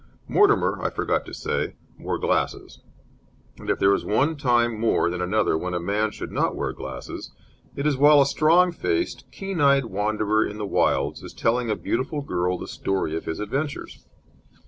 Mortimer, I forgot to say, wore glasses; and, if there is one time more than another when a man should not wear glasses, it is while a strong faced, keen eyed wanderer in the wilds is telling a beautiful girl the story of his adventures.